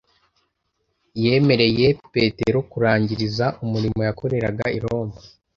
yemereye Petero kurangiriza umurimo yakoreraga i Roma